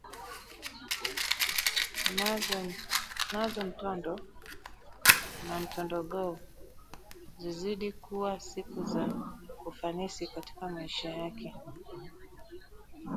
Nazo mtondo na mtondogoo zizidi kuwa siku za ufanisi katika maisha yake